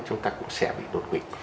chúng ta cũng sẽ bị đột quỵ